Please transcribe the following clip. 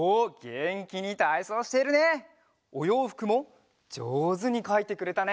おようふくもじょうずにかいてくれたね。